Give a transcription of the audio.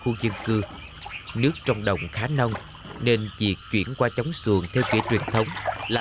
khu dân cư nước trong đồng khá nông nên việc chuyển qua chống xuồng theo kiểu truyền thống là